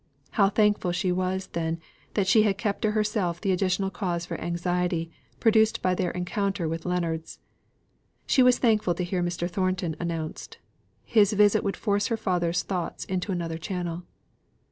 How thankful she was then, that she had kept to herself the additional cause for anxiety produced by their encounter with Leonards. She was thankful to hear Mr. Thornton announced. His visit would force her father's thoughts into another channel.